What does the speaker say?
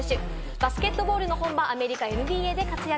バスケットボールの本場、アメリカ・ＮＢＡで活躍。